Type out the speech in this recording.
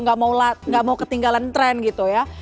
nggak mau ketinggalan tren gitu ya